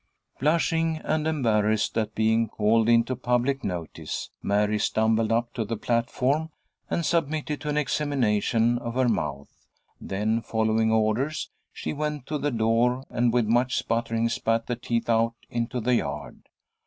Blushing and embarrassed at being called into public notice, Mary stumbled up to the platform, and submitted to an examination of her mouth. Then, following orders, she went to the door, and with much sputtering spat the teeth out into the yard.